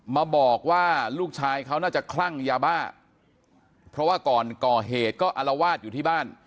มาบอกว่าลูกชายเขาน่าจะคลั่งยาบ้าเพราะว่าก่อนก่อเหตุก็อารวาสอยู่ที่บ้าน